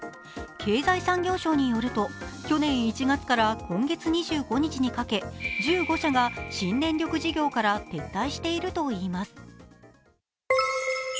経済産業省によると、去年１月から今月２５日にかけ１５社が新電力事業から撤退しているといいます。